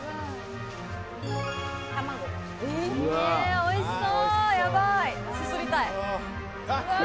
おいしそう！